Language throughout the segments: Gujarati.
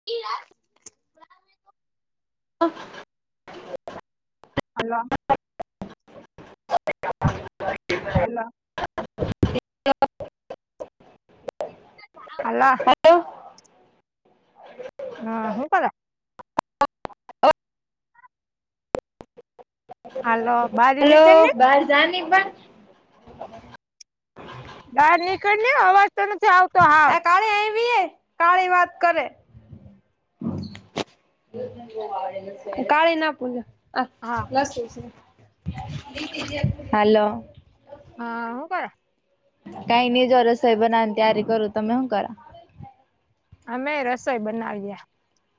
[inaudible] ઓફ [unintelligible] અલ્ [unintelligible] હચ [unintelligible] હાલ [unintelligible] એક [unintelligible] હલો- હા હું કરે - હાલો બહાર હલો નીકળ ને બાર જની પણ- બહાર નીકળને અવાજ તો નથી આવતો હાવ- કાળી આવીએ કાળી વાત કરે- કાળી ના પૂજા- હા- હલો- હા હું - કઈ નહી જો રસોઈ બનાવ ત્યારે કરું તમે શું કરા- અમે રસોઈ બનાવીયા-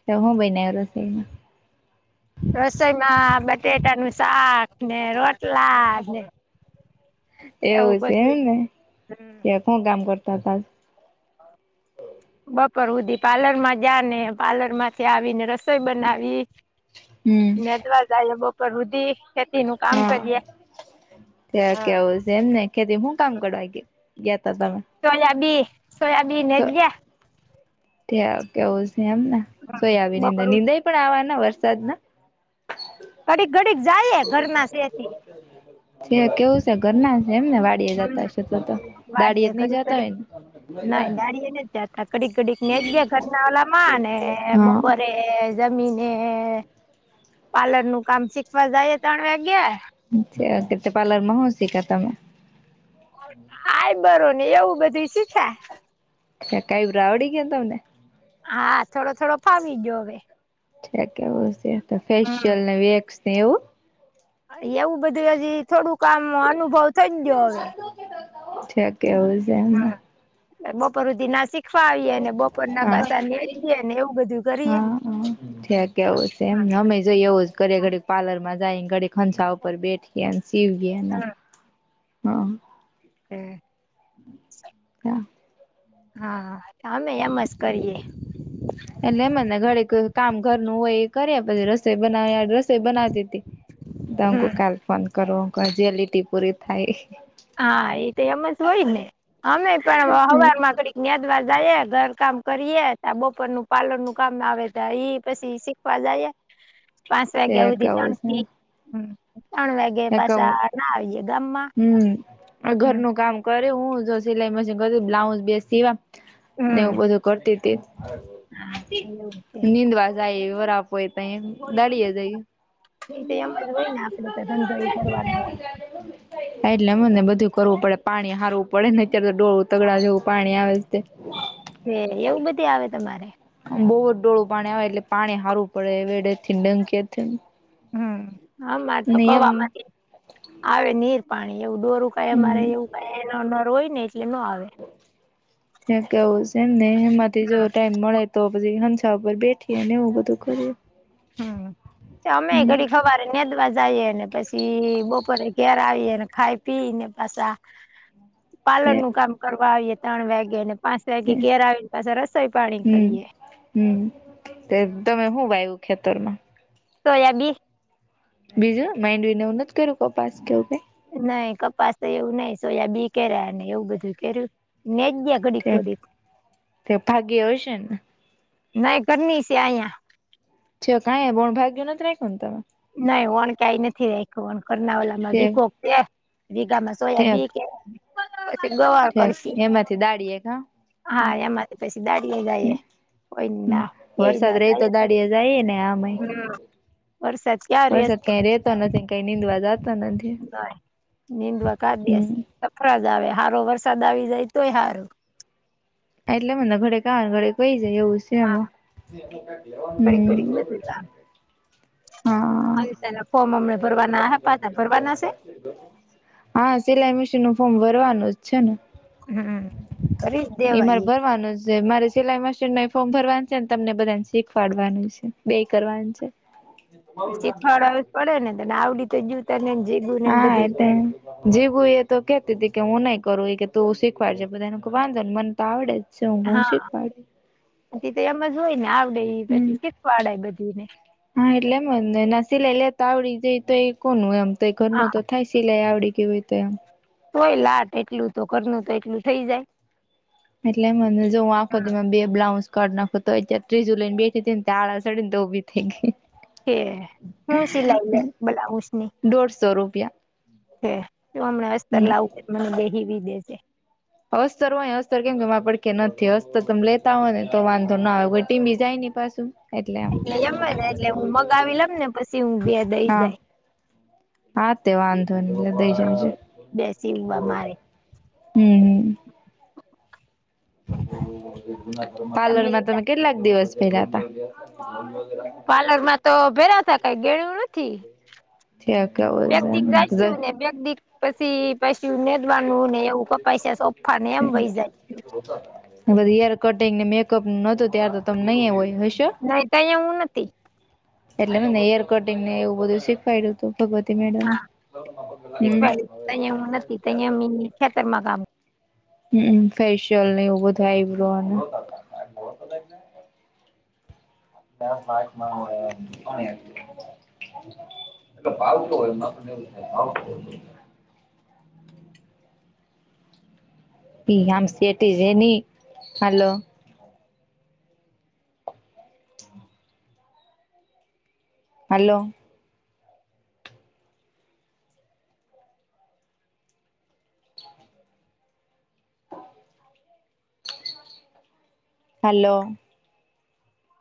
તો હું બને રસોઈમાં રસોઈમાં બટેટા નું શાક ને રોટલા ને એવું છે એમને હમ ત્યા કોણ કામ કરતા હતા. હા બપોર ઉધી પાર્લર માં જા ને પાર્લર માંથી આવી ને રસોઈ બનાવી. હમ નનેદવા જાય બપ રુધિ- હા ત્યાં હા ક્યાવ- એમને કેતી હું કામ કરવા ગયાતા તમે. સોયાબીન સોયાબીન્યા ત્યા કેવું છે એમ સોયાબીન નીંદ બપોર નિંદાઈ પણ આવાના વરસાદ ના કડીક ઘડીક જાય ઘરમાં છેથી. [inaudible] જે કેવું છે ઘરના છે એમને વા. હમ વાળિય ઘડી જતા ઘડી હોય ને ના દાળિયે જાત ત કડીક કડીક નેચ દે ઘરના વાળલા માં ને હા બપોરે એ જમીને પાર્લર નું કામ શીખવા જાય ત્રણ વાગ્યા. કે બ્યૂટી પાલર માં હું શીખે તમે. હાઈ બરો ને એવું બધું શીખાયે. અ કઈ રાવડી ગયા તમને. હા થોડો થોડો ફાવી ગયો હવે. હમ ફેેશિયલ ને એક સ્નેવ એવું બધું હજી થોડુંક આમ અનુભવ થઈ ગયો હવે. છે કેવું. છે એમને હા બપરધ નાસિક -વીએ અને બપોર ના હા પાસા જએ ને એવું બધું કરીએ. હમ ે કે એવું છે એમને અમે જોઈએ એવું જ ઘરે ઘડી પારલર માં જાય ઘડી ખંસા ઉપર બેઠી. નસીવીના હા હમ. ક હા અમે એ મસ્ત કરીએ. એટલે મનેને ઘરે કામ ઘરનું હોય એ કર્યા પછી રસોઈ બનાવ્યા. સ બ ના ત હમ કાલ ફોન કર જ પુરી થાય. હા એ તો એમ જ હોય ને અમે પણ હવાર માંડી [unintelligible] જાઈએ ઘર કામ કરીએ ત બપોર નું પાલન નું કામ આવે ત ઈ પછી શીખવા જઈએ. પાંચ તે વાગ્યા સુધી ત્રણથી કેવું હ ત્રણ વાગે છે કવ પાછા ના આવીે ગામ માં. હમ ઘરનું કામ કરે હું જો સિલાઈ મશીન કરી બ્લાઉઝ બેસ સીવા. ને હમ એવું બધું કરતી હતી હા એવું છે નિનીંદવા. જાય બરા આપતાળ એ તો એમ જ હોય ને આપડે તો ધંધડી કરવાનું હોય. [unintelligible] એટલે મને બધું કરવું પડે પાણી હારવું પડે ને અત્યારે તો ડોળું તગડા જેવું પાણી આવે તે. હ એવું બધી આવે તમારે. બહુ જ ડોળું પાણી આવે એટલે પાણી હારવું પડે વેડે થી ડંકી. હમ આરે તો કવામાંથી આવે નીર. પાણી એવું દોરું ક મારે હમ એવું ક ર હોય ને એટલે ન આવે. ત કેવું છે એમ નહ એમાંથી જોવ હમ ટાઈમ મળે. તો હનસા ઉપર બેઠી એ ને બધું કરી. હમ અમે ઘડી ખવાર ને દ્વાર જઈએ ને પછી હિ બપોરે ઘેર આવીએ ને ખાઈ પી ને પાછા હ પાલરનું કામ કરવા આવીએ ત્રણ વાગે ને પાંચ વાગે ઘેર આવીને પાછ રસોઈ પાણી હમ કરીયે. હમ તમે શું વાયું ખેતરમાં સોયાબીન બીજું માઇન્ડને એ નથી કરું ક પાસ કેવું ક- નહી કપાસ તો એવું નહી સોયા બી કે્યા ને એવું બધું કે્યું ને જ તે ભાગી હશે નાહી કરની સ આહીયા છ કં બોણ ભાગ્યયોનત નહી કોતામાં નઈ વણ કઈ નથી ર વ કર્નાવાલામાં વીખો વીગામાં સોયા ઠેક બી કે પછી ગવાર ઠેક કરશે એમાંથી દાડીએ કા હા એમાં પછી દાડી જાય કોઈ ના કે વરસાદ ના લ રહી તો દાડીએ જઈએ ને આમાંય હમ વરસાદ ક્યા રેસ વરસાદ પણ કઈ રેતો નથી કઈ નીંદવા જાતો નથી [unintelligible] નીંદણ કાર દેશ. હમ સફળ જ આવે સારો વરસાદ આવી જાય તોય સારું એટલે મને ઘરે કા ઘરે કોઈ જાય એવું છે હા એમાં [unintelligible] હમ્મ. હવે તના ફોર્મ હમ ભરવાના આપા હતા ભરવાના છે હા સિલાઈ મશીન નું ફોર્મ ભરવાનું જ છે ને હમ કરી જ એ મારે દેવાય ભરવાનું જ જે મારે સિલાઈ મશીન ફોર્મ ભરવાનું છે ને તમને બધાને શીખવાડવાનું છે બે કરવાની છે. શીખવાડાવ પડે ને તને આવડી તો જોતા ને હા બધી આતે જીભું એ તો કેતી હતી કે હું નહી કરું એ કે તું શીખવાડજે બધા ને મે કહું વાંધો ને મન તો આવડે જ. છે હું હા શીખવાડ પછી તો એમ જ હોય ને આવડે એ હમ પછી શીખવાડાય બધીને. હા એટલે મંધ નસીલે એલે ત આવડી જ તો કોનું એમ તો હા ઘરનું તો થાય સિલાઈ આવડી કે હોય તો કોય લાટ એટલું તો કરનું તો એટલું થઈ જાય એટલે મને જો હું આખોદી માં બે બ્લાઉઝ કાઢ નાખું તો ત્યારે ત્રીજું લઈને બેઠી હતી ને ત આળા સડી ને તો ઉ થઇ ગયી કે હું સિલાઈ લે બ્લાઉઝ ની દોઢસો રૂપિયા હે તો હમને અસ્તર હમ લાવું મને બેહીવી દેશે અસ્તર હોય અસ્તર કેમ કેમાં પડખે નથી અસ્તર તમે લેતા હોય ને તો વાંધો ના આવે ટીમી જાય ને પાછું એટલે એમ જ એટલે હું મગાવી લમ ને પછી હું બે દઈશ હા જાય. હા તે વાંધોની તે દઈ જાય છે બે સીવવા મારે હમ પાર્લરમાં તમે કેટલાક દિવસ કયરા તા પાર્લર માં તો ભેરા તા કઈ ગેળું નથી થયા બેગ દી કેવું ગાયશું ને બેગ દિ પછી પછીને જ માનવું ને એવું પૈસા સોફાને એમ વહી જાય બધી હેર કટિંગ ને મેકઅપ નું નોતું ત્યારે તો તમ નહી હોય જ નહી તઈ એવુ નથી એટલેને હેર કટિંગ ને એવું બધું શીખવાડ્યું હતું ભગવતી મેડમેં હમ તયા હું નથી તયા મ ખેતર માં કામ હમ ફેશિયલ ને એવું બધું આઈબ્રો અને [inaudible] ભાવતો હોય [inaudible] આમ સેટી જેની હાલો હાલો હાલો